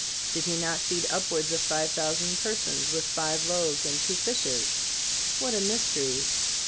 Did He not feed upwards of five thousand persons with five loaves and two fishes? What a mystery!